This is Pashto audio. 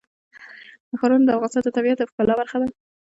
ښارونه د افغانستان د طبیعت د ښکلا برخه ده.